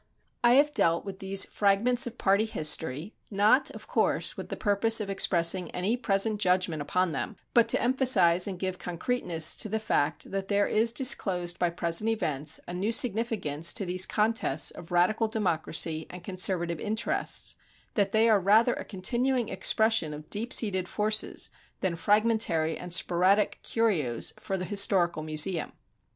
I have dealt with these fragments of party history, not, of course, with the purpose of expressing any present judgment upon them, but to emphasize and give concreteness to the fact that there is disclosed by present events a new significance to these contests of radical democracy and conservative interests; that they are rather a continuing expression of deep seated forces than fragmentary and sporadic curios for the historical museum.